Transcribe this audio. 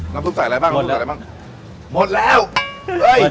น้ำซุปใส่อะไรบ้างน้ำซุปใส่อะไรบ้าง